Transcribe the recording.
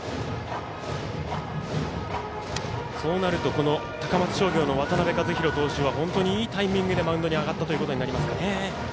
そうなると高松商業の渡辺和大投手はいいタイミングでマウンドに上がったということになりますね。